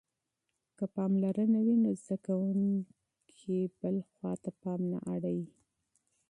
که مینه وي نو زده کوونکی نه غیبت کوي.